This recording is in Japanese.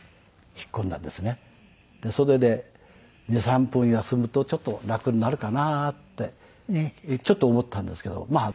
袖で２３分休むとちょっと楽になるかなってちょっと思ったんですけどまあ